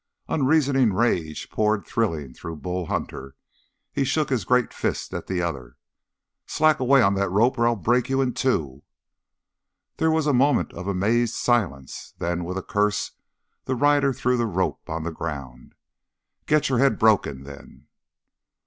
Unreasoning rage poured thrilling through Bull Hunter. He shook his great fist at the other. "Slack away on that rope or I'll break you in two!" There was a moment of amazed silence; then, with a curse, the rider threw the rope on the ground. "Get your head broke then!"